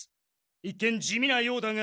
一見地味なようだが。